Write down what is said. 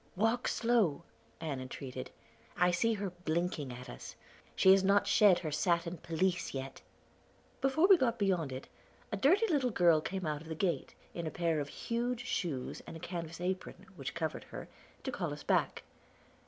"Walk slow," Ann entreated. "I see her blinking at us. She has not shed her satin pelisse yet." Before we got beyond it a dirty little girl came out of the gate, in a pair of huge shoes and a canvas apron, which covered her, to call us back.